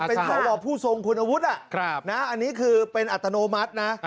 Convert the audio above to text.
เป็นสวผู้ทรงคุณวุฒิอันนี้คือเป็นอัตโนมัตินะ